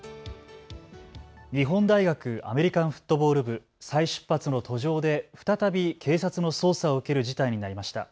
日本大学アメリカンフットボール部、再出発の途上で再び警察の捜査を受ける事態になりました。